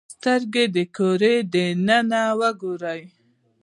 د سترګې د کرې دننه وګورئ.